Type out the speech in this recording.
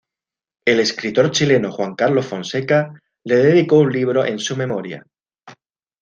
El escritor chileno Juan Carlos Fonseca le dedicó un libro en su memoria.